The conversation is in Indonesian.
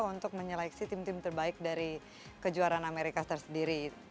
untuk menyeleksi tim tim terbaik dari kejuaraan amerika tersendiri